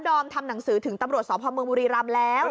ดอมทำหนังสือถึงตำรวจสหพบุรีรัมพ์แล้ว